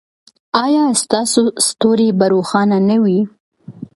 ایا ستاسو ستوری به روښانه نه وي؟